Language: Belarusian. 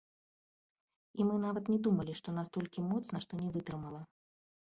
І мы нават не думалі, што настолькі моцна, што не вытрымала.